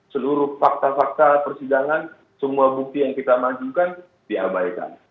seluruh fakta fakta persidangan semua bukti yang kita majukan diabaikan